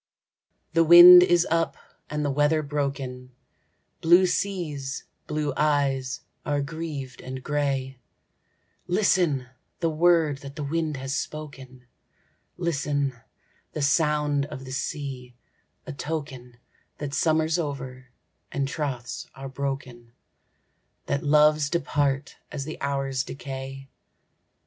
The wind is up, and the weather broken, Blue seas, blue eyes, are grieved and grey, Listen, the word that the wind has spoken, Listen, the sound of the sea,—a token That summer's over, and troths are broken,— That loves depart as the hours decay.